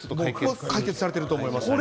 僕は解決されていると思います。